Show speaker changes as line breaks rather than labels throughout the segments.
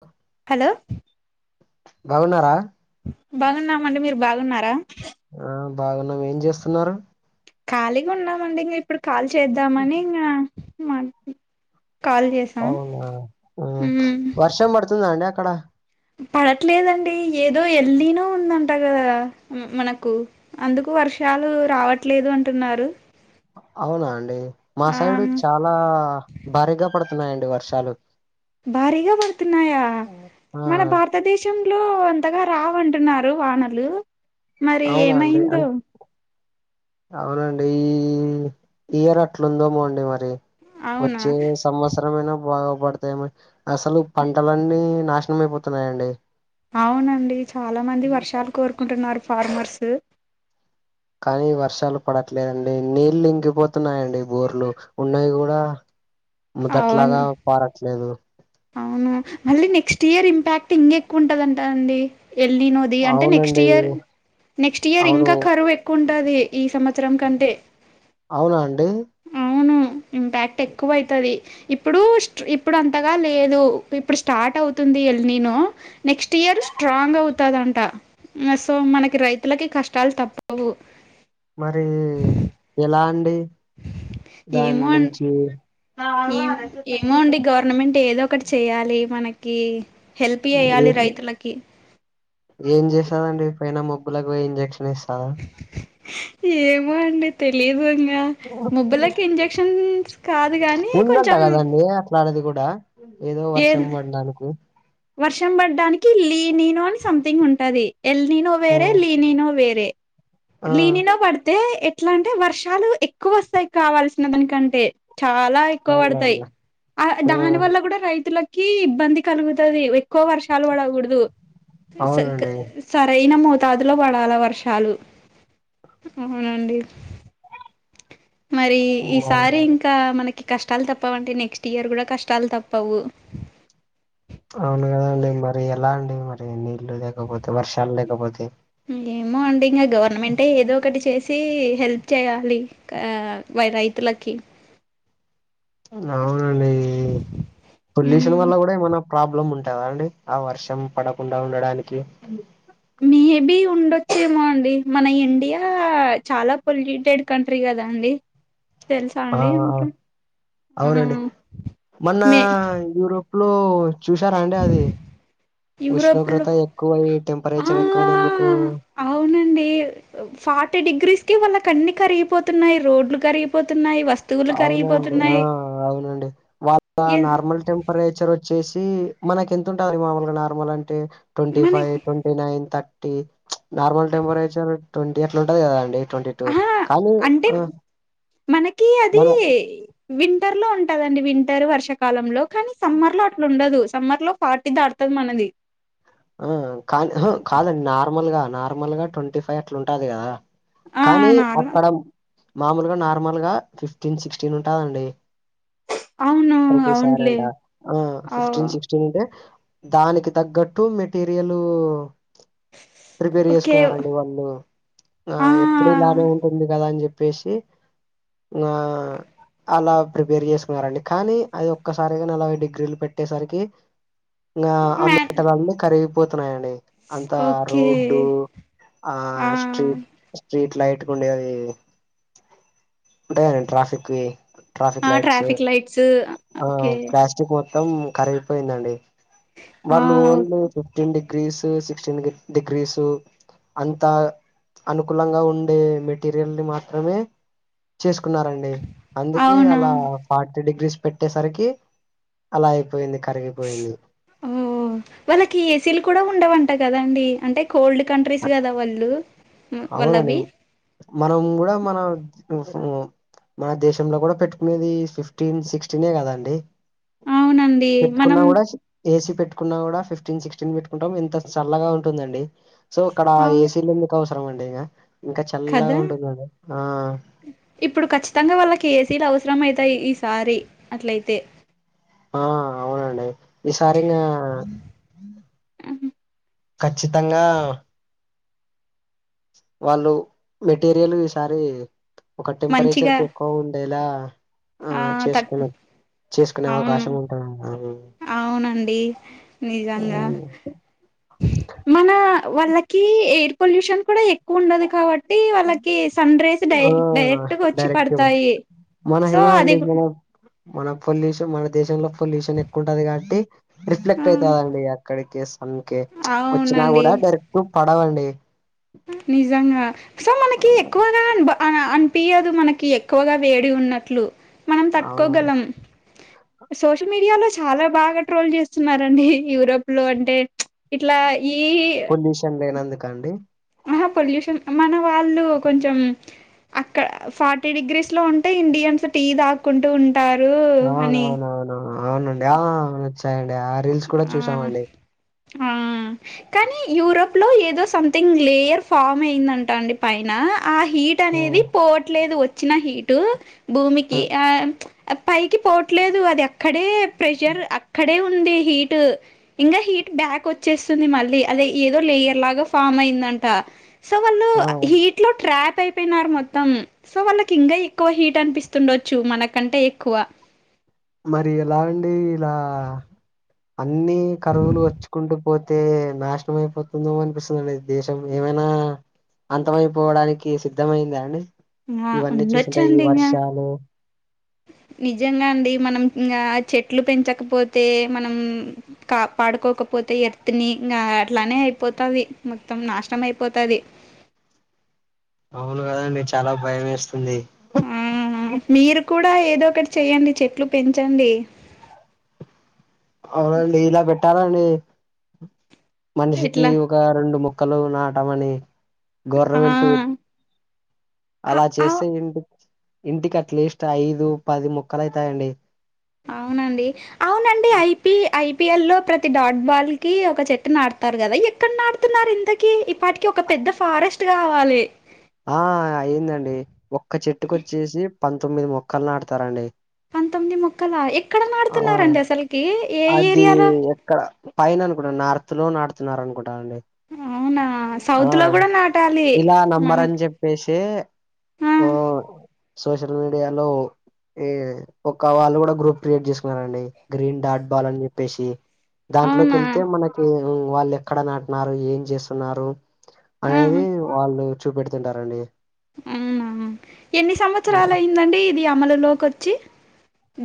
బ
లో
బాగున్నారా?
బాగున్నామండి. మీరు బాగున్నార?
ఆ బాగున్నాం ఏం చేస్తున్నారు?
ఖాళీగా ఉన్నామండి ఇంక ఇప్పుడు కాల్ చేద్దామని ఇంకా మాట్ కాల్ చేస్
అవునా ఆ వర్షం పడుతుందా అండి అక్కడ
పడట్లేదండి ఏదో ఎల్లినో ఉందంట కదా! మనకు అందుకు వర్షాలు రావట్లేదు అంటున్నారు.
అవునా అండి మా
ఆ
సైడు చాలా భారీగా పడుతున్నాయండి వర్షాలు.
భారీగా పడుతున్నాయా
ఆ
మన భార త దేశంలో అంతగా రావంటున్నారు వానలు మరి
అవునా అండి
ఏమైందో
అన్ అవునండి ఈ ఈ ఇయర్ అట్లుందేమో అండి మరి
అవునా
వచ్చే సమ్మస్ సరమైనా బాగా పడతాయేమో అసలు పంటలన్నీ నాశనం అయిపోతున్నాయండి.
అవునండి చాలా మంది వర్షాలు కోరుకుంటున్నారు ఫార్మర్స్.
కానీ వర్షాలు పడట్లేదండి నీళ్లు ఇంకిపోతున్నాయండి బోర్లు. ఉన్నయి కూడా మోదట్లాగ
అవును
పారట్లేదు.
అవును మళ్ళీ నెక్స్ట్ ఇయర్ ఇంపాక్ట్ ఇంగ ఎక్కువ ఉంటదంట అండి ఎల్లినో ది అంటే నెక్స్ట్
అవునండి
ఇయర్, నెక్స్ట్ ఇయర్
అవును
ఇంకా కరువు ఎక్కువ ఉంటది. ఈ సంవత్సరం కంటే
అవునా అండి
అవును ఇంపాక్ట్ ఎక్కువ అయితది ఇప్పుడు స్ట్రీ ఇప్పుడంత గ లేదు ఇప్పుడు స్టార్ట్ అవుతుంది ఎల్లినో నెక్స్ట్ ఇయర్ స్ట్రాంగ్ అవు తదంట మ సో మనకి రైతులకి కష్టాలు తప్పవు.
మరి ఎలా అండి దాని
ఏమో అం
నుంచి
ఏమో అండి గవర్నమెంట్ ఏదొ ఒకటి చెయ్యాలి మనకి హెల్ప్
ఏ
చేయ్యాలి రైతులకి
ఏం చేస్తదండి పైన మోబ్బులకి పోయి ఇంజెక్షన్ ఏస్తాద
ఏమో అండి తెలిదు ఇంగ మోబ్బులకి ఇంజెక్షన్స్ కాదు గాని కొంచెం
రానిది కూడ ఏదో
ఏ
వర్షం పడ్డానికి
వర్షం పడ్డానికి లీనినో అని సంథింగ్ ఉంటది. ఎల్నీనో వేరే, లీనినో వేరే
ఆ
లీనినో పడితే ఎ ఎట్ల అంటే వర్షాలు ఎక్కువ వస్తాయి కావల్సిన దానికంటే చాలా ఎక్కువ
అవునులేండి
పడతాయి. ఆ దాని
ఉమ్
వల్ల కూడా రై తులకి ఇబ్బంది కలుగుతుది ఎక్కువ వర్షాలు పడకూడదు. స క
అవునండి
సరైన మోతాదులో పడాల వర్షాలు. అవునండి. మరి ఈసారి ఇంక మనకి కష్టాలు తప్పవంటె నెక్స్ట్ ఇయర్ కూడా కష్టాలు తప్పవు
అవును కదా అండి మరి ఎలా అండి మరి నీళ్లు లేకపోతే, వర్షాలు లేకపోతే.
ఏమో అండి ఇంగ గవర్నమెంటే ఏదో ఒకటి చేస్ చి హెల్ప్ చేయాలి క వ రైతులకి.
అవునండి పొల్యూషన్
మ్మ్
వల్ల కూడ ఏమన్న ప్రాబ్లమ్ ఉంటదా అండి ఆ వర్షం పడకుండా ఉండడానికి
మేబి ఉండొచ్చేమో అండి మన ఇండియా చాలా పొల్యూటెడ్ కంట్రీ కదా అండి తెలుసా
ఆ
అండి మీకు ఆ
అవునండి మొన్న
మే
యూరోప్లో చూసారా అండి అది
యూరోప్ లో
ఉష్ణోగ్రత ఎక్కువై
ఆ
టెంపరేచర్ ఎక్కువైనందుకు
అవునండి ఫార్టీ డిగ్రీస్కి వాళ్ళకన్ని కరిగిపోతున్నాయి రోడ్లు కరిగిపోతున్నాయి వస్
అవునండి ఆ అవునండి వాళ్ళ
ఎన్
నార్మల్ టెం పరేచర్ ఒచ్చేసి మనకి ఎంత ఉంటది అండి మాములుగ నార్మల్ అంటే ట్వంటీ ఫైవ్
మనకి
twenty nine thirty normal temperature twenty అట్ల ఉంటది కదండి ట్వంటీ టూ
ఆహా
కానీ
అంటే మనకి అది
మన
వింటర్లో ఉంటదండి వింటర్ వర్షకాలంలో కానీ సమ్మర్లో అట్ల ఉండదు సమ్మర్లో ఫార్టీ దాటుతది మనది
ఉం కాని ఉంహుం కాదండి నార్మల్గా నార్మల్గా ట్వంటీ ఫైవ్ అట్ల ఉంటాది కదా
ఆ
కానీ
నార్మల్
అక్కడ మామూలుగా నార్మల్గ ఫిఫ్టీన్ సిక్స్టీన్ ఉంటదండి
అవును
ప్రతి
అవునులే
సారంట ఆ ఫిఫ్టీన్ సి క్స్త్టీన్ ఉంటే దానికి తగ్గట్టు మెటీరియలు ప్రిపేర్
ఓకే
చేస్కున్నారండి వాళ్ళు ఆ ఎప్పుడు ఇలానే ఉంటుంది కదా అని చెప్పేశి ఆ అలా ప్రిపేర్ చేస్కున్నారండి కానీ అది ఒక్కసారిగా అలా డిగ్రీలు పెట్టేసరికి ఇంగా ఆ
మ్యాన్
మేటల్ అన్ని కరిగిపోతున్నాయండి అంతా
ఓకే
రోడ్డు ఆ స్ట్రీట్ స్ట్రీట్ లైట్కు ఉండేది ఉంటాయి ట్రాఫిక్వీ ట్రాఫిక్
ఆ
లైట్స్
ట్రాఫిక్ లైట్స్
ఆ
ఓకే
ప్లా స్టిక్ మొత్తం కరగిపోయిందండి
ఆ
మరి నువ్వు only fifteen degrees sixteen degrees అంతా అనుకూలంగ ఉండే మెటీరియల్ని మాత్రమే చేస్కున్నారండి అందుకే
అవునా
అలా ఫార్టీ డిగ్రీస్ పెట్టేసరికి అలా అయిపోయింది కరిగిపోయింది
ఊమ్ వాళ్ళకి ఏసీలు కూడ ఉండవంట కదండి అంటే కోల్డ్ కంట్రీస్ కద వాళ్ళు
అవునండి
వాళ్ళవి
మనం కూడ మన కోసమే మన దేశంలో కూడ పెట్టుకునేది ఫిఫ్టీన్ సిక్స్టీనే కదండి
అవునండి
పెట్టుకున్నా
మనం
కూడ ఏసీ పెట్టుకున్నా కూడ ఫిఫ్టీన్ సిక్స్టీన్ పెట్టుకుంటం ఇంత చల్లగా ఉంటుందండి సో అక్కడ
అవును
ఏసీలు ఎందుకు అవసరం అండి ఇగ ఇంక చల్లగ
కదా
ఉంటుందండి ఆ
ఇప్పుడు కచ్చితంగ వాళ్ళకి ఏసీలు అవసరం అయితాయి ఈసారి అట్లయితే
ఆ అవునండి ఈసారింగా ఖచ్చితంగా వాళ్ళు మెటీరియల్ ఈసారి ఒక
మంచిగా
టెంపరేచర్కి ఎ క్కువ ఉండేలా ఆ చేసుకున్న చేసుకునే
అవును
అవకాశం ఉంటదంటా
అవునండి నిజంగా మన వాళ్ళకి ఎయిర్ పొల్యూషన్ కూడ ఎక్కువ ఉండదు కాబ ట్టి వాళ్ళకి సన్ రేస్ డై
ఆ
డైరెక్ట్ ఒచ్చి
డైరెక్ట్
పడ్తాయి
మన
సో అది
ఏమండి మన మన పొల్యూషన్ మన దేశంలో పొల్యూషన్ ఎక్కువ ఉంటది కాబట్టి
ఆ
రిఫ్లెక్ట్ అయితదండి అక్కడికి సన్కి ఒచ్చినా
అవునండి
కూడా డైరెక్ట్ పడవండి
నిజంగా సో మనకి ఎక్కువగా బ అ అనిపియదు మనకి ఎక్కువగా వేడి ఉన్నట్లు మనం
అవును
తట్టుకోగలం సోషల్ మీడియాలో చాలా బాగా ట్రోల్ చేస్తున్నారండి యూరోప్ లో అంటే ఇట్లా ఈ
ముసల్ది అయినందుకండి
ఆహా పొల్యూషన్ మన వాళ్ళు కొంచెం అక్కడ ఫార్టీ డిగ్రీస్ లో ఉంటే ఇండియన్స్ టీ తాక్కుంటూ ఉ
అవునవునవునువు అవునండి ఆ అవును వచ్చాయండి ఆ రీల్స్ కూడా
ఆ
చూసామండి
ఆ కానీ యూరోప్ ప్ లో ఏదో సంథింగ్ లేయర్ ఫామ్ అయిందంట అండి పైన ఆ హీట్ అనేది
హ్మ్.
పోవట్లేదు వచ్చిన హీటు భూమికి ఆ పైకి పోవట్లేదు అది అక్కడే ప్రెషర్ అక్కడే ఉంది హీట్ ఇంకా హీట్ బ్యాక్ వచ్చేస్తుంది మళ్ళీ అదే ఏదో లేయర్ లాగా ఫామ్ అయిందంట సో వాళ్ళు
ఆ!
హీట్ లో ట్రాప్ అయి పోయినారు మొత్తం సో వాళ్ళకి ఇంకా ఎక్కువ హీట్ అనిపిస్తుండొచ్చు మనకంటే ఎక్కువ
మరి ఎలా అండి ఇలా అన్ని కరువులు వచ్చుకుంటూ పోతే నాశనం అయిపోతుందమో అనిపిస్తుందిండి దేశం ఏమైనా అంతమైపోవడానికి సిద్ధమయిందా అండి
ఆ
ఇవన్నీ చూస్తుంటే ఈ
ఉండొచ్చండి ఇంకా
వర్షాలు
నిజంగా అండి మనం ఇంకా చెట్లు పెంచకపోతే మనం కాపాడుకోకపోతే ఎర్త్ ని నా అట్లానే అయిపోతాది మొత్తం నాశనం అయిపోతాది
అవునా అండి చాలా భయం వేస్తుంది
హ్మ్ మీరు కూడా ఏదో ఒకటి చెయ్యండి చెట్లు పెంచండి
అవునండి ఇలా పెట్టాలని మనిషికి
ఎట్లా
ఆ రెండు మొక్కలు నాటమని
ఆ
గవర్నమెంట్
అ
అలా
అవు
చేస్తే ఇంటి ఇంటికి అట్లీస్ట్ ఐదు పది మొక్కలైతాయండి
అవునండి అవునండి ఐపీ ఐపీఎల్ లో ప్రతి డాట్ బాల్ కి ఒక చెట్టు నాటతారు కదా ఇ ఎక్కడ నాటుతున్నారు ఇంతకి ఈపాటికి ఒక పెద్ద ఫారెస్ట్ కావాలి
ఆ అయిందండి ఒక్క చెట్టుకి వచ్చేసి పంతొమ్మిది మొక్కలు నాటుతారండి
పంతొమ్మిది మొక్కలా ఎక్కడ
ఆ
నాడుతున్నారండి అసలకి
అది ఎక్కడ పైన అనుకుంటాను నార్త్ లో నాటుతున్నారు అనుకుంటానండి
అవునా
ఆ
సౌత్ లో కూడా నాటాలి
ఇలా నమ్మరని
మనకి
చెప్పేసి ఆ సోషల్ మీడియాలో ఈ ఒక్క వాళ్ళు కూడా గ్రూప్ క్రియేట్ చేసుకున్నారండి గ్రీన్ డార్డ్ బాలని చెప్పేసి దాంట్లోకి
అవునా
వెళ్తే మనకు వాళ్ళు ఎక్కడ నాటినారు ఏం చేస్తున్నారు
ఆ
అనేది వాళ్ళు చూపెడుతుంటారండి
హ్మ్ ఎన్ని సంవత్సరాలు
హ్మ్.
అయిందండి ఇది అమలులోకి వచ్చి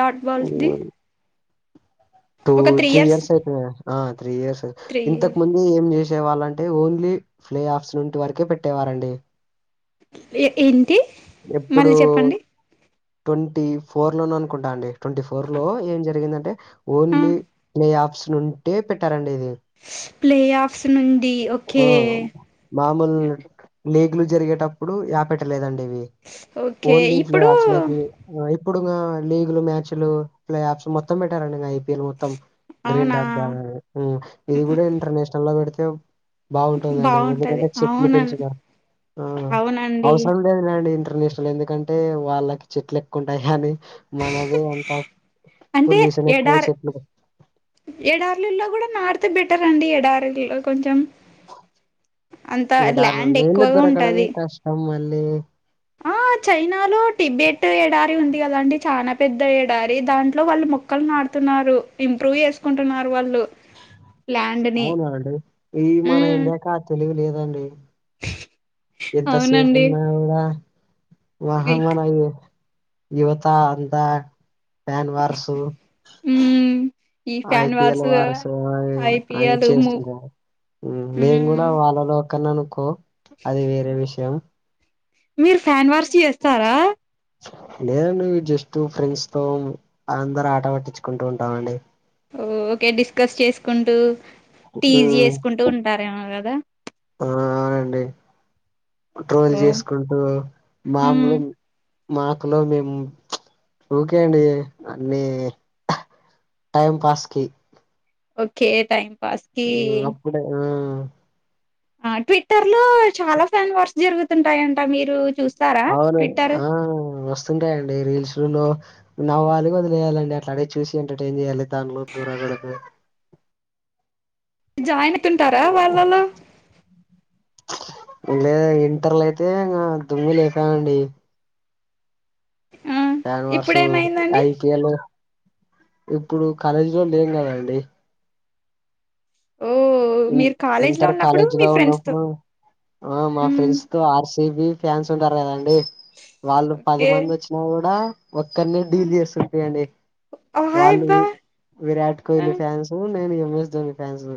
డాట్బల్స్ది
హ్మ్. టూ త్రీ ఇయర్స్ అయితుంది ఆ త్రీ ఇయర్స్
త్రీ ఇయర్
ఇంతక్ ముందు ఏం చేసే వాళ్ళంటే ఓన్లీ ప్లే ఆఫ్స్ నుంచి వరకే పెట్టేవారండి
ఏంటి
ఎప్పుడు
మళ్ళీ చెప్పండి
ట్వంటీ ఫోర్ లోన అనుకుంటా అండి ట్వంటీ ఫోర్ లో ఏం జరిగిందంటే
ఆ
ఓన్లీ ప్లే ఆఫ్స్ ఉంటే పెట్టారండి ఇది
ప్లే ఆఫ్స్ నుండి
ఊ
ఓకే
మామూల్ లేగ్లు జరిగేటప్పుడు యా పెట్టలేదండి ఇవి
ఓకే
ఓన్లీఫ్లే
ఇప్పుడు
అసలకి ఇప్పుడు లీగులు, మ్యాచ్ లు, ప్లే ఆఫ్స్ మొత్తం పెట్టారండి ఇగ మొత్తం గ్రీన్
అవునా
[unintelligible] ఇది కూడా ఇంటర్నేషనల్ లో పెడితే బాగుంటుందండి
బాగుంటది
ఎందుకంటే చెక్లు
అవునం
పెంచుగా ఆ
అవునండి
అవసరం లేదు లేండి ఇంటర్నేషనల్ ఎందుకంటే వాళ్ళకి చెట్లేక్కువుంటాయి కానీ మనది అంత
అంటే
పొల్యూషన్ ఎక్కువై
ఎడారి
చెట్లు
ఎడార్లుల్లో కూడా నాటితే బెటర్ అండి ఎడారుల్లో కొంచెం అంత ల్యాండ్ ఎక్కువగా ఉంటది
త మళ్ళీ
ఆ చైనాలో టిబెట్ ఎడారి ఉంది కదండి చానా పెద్ద ఎడారి దాంట్లో వాళ్ళు మొ మొక్కలు నాటుతున్నారు ఇంప్రూవ్ చేసుకుంటున్నారు వాళ్ళు ల్యాండ్ ని
అవునా అండి ఈ మన
ఉమ్
ఇండియా కా తెలివి లేదండి ఎంత సేఫ్
అవునండి
ఉన్నా కూడా
ఇక్
[unintelligible] యువత అంతా fan wars
hmm
I P L wars అవి
ఐపిఎల్ ము
చేస్తున్నారు మ్మ్ నేను
ఉమ్
కూడా వాళ్ళలో ఒకననుకో అది వేరే విషయం
మీరు ఫ్యాన్ వార్స్ చేస్తారా
లేదండి జస్ట్ ఫ్రెండ్స్ తో అందరాట పట్టించుకుంటూ ఉంటామండి
ఓ ఓకే డిస్కస్ చేసుకుంటూ టీజ్
ఉమ్,
చేసుకుంటూ ఉంటారేమో కదా
ఆ అండి ట్రోల్
ఓ
చేసుకుంటూ
ఉమ్
మామూలు మాకులో మేము ఒకే అండి అన్ని టైం పాస్కి
ఓకే టైమ్
ఒక్కడే ఆ
ఆ ట్విట్టర్ లో చాలా ఫ్యాన్ వార్స్ జరుగుతుంటాయంట మీరు చూస్
అవును ఆ వస్ వస్తుంటాయండి రీల్స్లు లో నవ్వాలి వదిలేయాలండి అట్లాటివీ చూసి ఎంటర్టైన్ చేయాలి. దానిలో కూర దొరకవు
జాయిన్ అయితుంటారా వాళ్ళలో
లేదా ఇంటర్లో అయితే ఇగ దుమ్ము లేపామండి
ఆ!
శన్వర్సు,
ఇప్పుడేమైందండి?
ఐ పి ఎల్ ఇప్పుడు కాలేజీ లో లేం కదండి
ఓ
ఇన్
మీరు కాలేజ్ లో
ఇంటర్
ఉన్నప్పుడు
కాలేజ్ లో
మీ ఫ్రెండ్స్ తో
ఉన్నప్పుడు ఆ మా ఫ్రెండ్స్ తో ఆర్సిబి ఫ్యాన్స్ ఉంటారు కదండి వాళ్ళు పది
ఓకే.
మందోచ్చి కూడా ఒక్కరినే
ఆ!
డీల్ చేస్తుంటి అండి వాళ్ళు
వాయబ్బా!
వీ విరాట్
ఆ!
కోహ్లీ ఫ్యాన్సు నేను ఎం ఎస్ ధోని ఫ్యాన్స్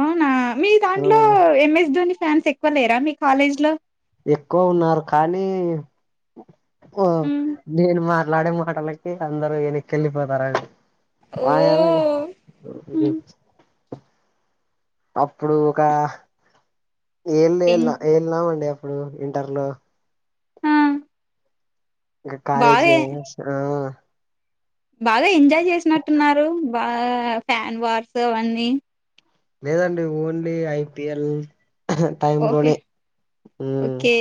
అవునా మీ
ఆ
దాంట్లో ఎం ఎస్ ధోని ఫ్యాన్స్ ఎక్కువ లేరా మీ కాలేజ్ లో
ఎక్కువ ఉన్నారు కానీ ఓ
హ్మ్.
నేను మాట్లాడే మాటలకి అందరు ఎనక్కేళ్ళిపోతారా
ఓహ్! హ్మ్.
[unintelligible] అప్పుడు ఒక
ఎన్
యెల్లేళ్లా ఏళ్ళ ఉండే అప్పుడు ఇంటర్ లో
ఆ!
ఇంకా కాలేజ్ లో
బాగా
ఏం చేస్తున్నా
బాగా ఎంజాయ్ చేసినట్టున్నారు బా ఫ్యాన్ వార్స్ అవన్నీ
లేదండి ఓన్లీ ఐపిఎల్ టై
ఓకే.
లోనే ఉమ్
ఓకే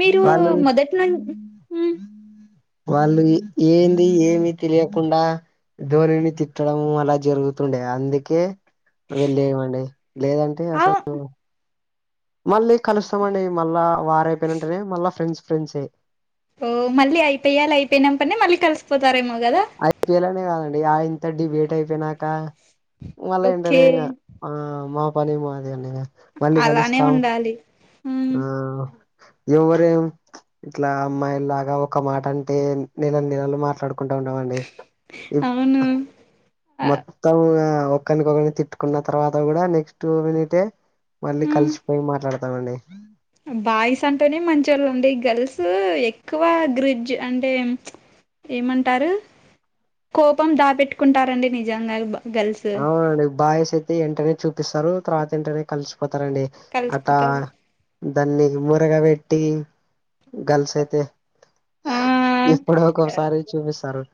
మీరు
వాళ్ళు
మొదటి ను
వాళ్ళు ఏంది ఏమి తెలియకుండా ధోనిని తిట్టడం అలా జరుగుతుండే అందుకే వెళ్ళే మండి లేదంటె
ఆ
అసలు మళ్ళీ కలుస్తామండి మళ్ళా వారం అయి పోయిన వెంటనే మళ్ళా ఫ్రెండ్స్ ఫ్రెండ్సే
ఓ మళ్ళీ ఐపీఎల్ అయిపోయినవెంటనే మళ్ళీ కలిసిపోతారేమో కదా
ఐపిలనే కాదండి. ఆయనతో డిబేట్ అయిపోయినాక మళ్ళ
ఓకే
వెంటనే ఇంకా ఆ మా పని ఏమో ఆది అని మళ్ళీ
అలానే
కలుస్తాం
ఉండాలి హ్మ్
ఆ ఎవరూ ఏం ఇట్లా అమ్మాయిలాగా ఒక మాట అంటే నెల నెలలు మాట్లాడుకుంటము అ వును అండి
అవును ఆ
మొత్తం ఒకరినికొరిని తిట్టుకున్న తర్వాత కూడా నెక్స్ట్ మీనిటే మళ్ళీ
హ్మ్
కలిసిపోయి మాట్లాడతామండి
బాయ్స్ అంటేనే మంచి వోళ్ళు అండి గర్ల్స్ ఎక్కువ గ్రిడ్జ్ అంటే ఏమంటారు కోపం దాపెట్టు కుంటారండి నిజంగా గర్ల్స్
అవునండి. బాయిస్ అయితే వెంటనే చూపిస్తారు. తర్వాత వెంటనే కలిసిపోతారండి. అట
కలిసిపోతారు
దాన్ని మోరగా పెట్టి గల్స్ అయితే
ఆ
ఎప్పుడో ఒకసారి చూపిస్తారు.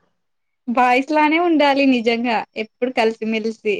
భాయ్ నే ఉండాలి నిజంగా ఎప్పుడు కలిసిమెలిసి